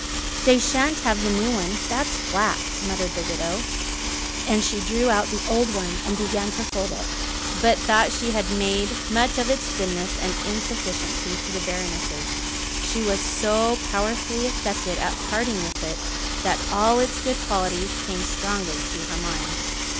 "They shan't have the new one, that's flat," muttered the widow; and she drew out the old one and began to fold it up. But though she had made much of its thinness and insufficiency to the Baroness, she was so powerfully affected at parting with it, that all its good qualities came strongly to her mind.